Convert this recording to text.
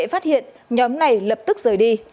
phát hiện nhóm này lập tức rời đi